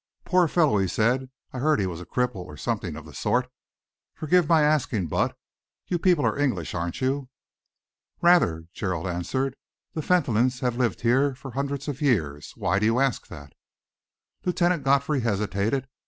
"Poor fellow!" he said. "I heard he was a cripple, or something of the sort. Forgive my asking, but you people are English, aren't you?" "Rather!" Gerald answered. "The Fentolins have lived here for hundreds of years. Why do you ask that?" Lieutenant Godfrey hesitated.